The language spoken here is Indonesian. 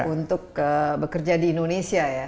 untuk bekerja di indonesia ya